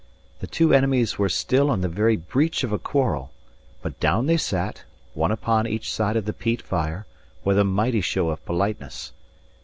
The two enemies were still on the very breach of a quarrel; but down they sat, one upon each side of the peat fire, with a mighty show of politeness.